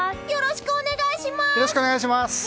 よろしくお願いします！